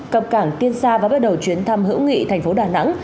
cập cảng tiên sa và bắt đầu chuyến thăm hữu nghị thành phố đà nẵng